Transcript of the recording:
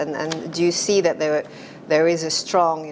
dan apakah anda melihat bahwa